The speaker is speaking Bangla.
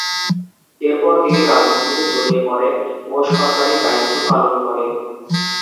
এরপর তিনি রাজনীতিতে জড়িয়ে পড়েন ও সরকারি দায়িত্ব পালন করেন।